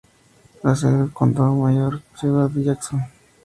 La sede del condado y mayor ciudad es Jackson.